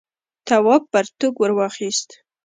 تواب پرتوگ ور واخیست.